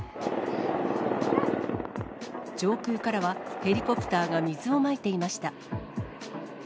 上空からは、ヘリコプターが水をまいていました。